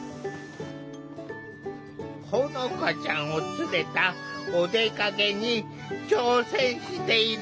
ほのかちゃんを連れたお出かけに挑戦している。